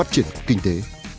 truyền kinh tế